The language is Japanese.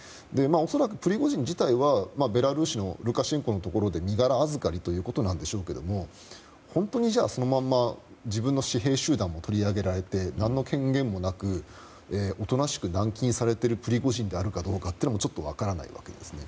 恐らく、プリゴジン自体はベラルーシのルカシェンコのところで身柄預かりということでしょうけど本当にそのまま自分の私兵集団を取り上げられて何の権限もなくおとなしく軟禁されているプリゴジンであるかどうかもちょっと分からないわけです。